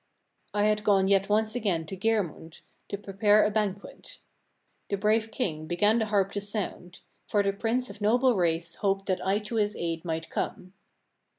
29. I had gone yet once again to Geirmund, to prepare a banquet. The brave king began the harp to sound; for the prince of noble race hoped that I to his aid might come.